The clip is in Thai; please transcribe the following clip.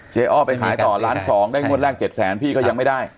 อ้อไปขายต่อล้าน๒ได้งวดแรก๗แสนพี่ก็ยังไม่ได้